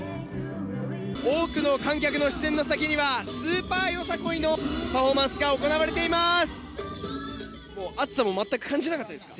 多くの観客の視線の先にはスーパーよさこいのパフォーマンスが行われています。